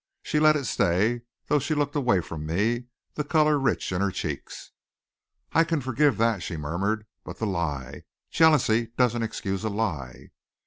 She let it stay, though she looked away from me, the color rich in her cheeks. "I can forgive that," she murmured. "But the lie. Jealousy doesn't excuse a lie."